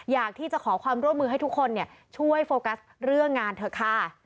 อยากที่จะขอความร่วมมือให้ทุกคนช่วยโฟกัสเรื่องงานเถอะค่ะ